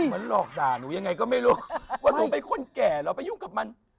มันหลอกด่าหนูยังไงก็ไม่รู้ว่าหนูเป็นคนแก่เราไปยุ่งกับมัน